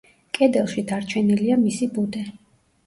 კედელში დარჩენილია მისი ბუდე.